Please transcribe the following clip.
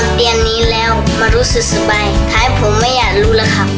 ผมได้นอนเตียนนี้แล้วมารู้สึกสบายทั้งผมไม่อยากลูกหลังคำ